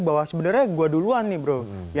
bahwa sebenarnya gue duluan nih bro